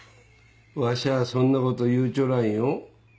わしゃそんなこと言うちょらんよ？